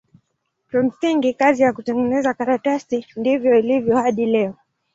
Kimsingi kazi ya kutengeneza karatasi ndivyo ilivyo hadi leo.